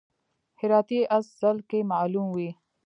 هراتی اس ځل کې معلوم وي.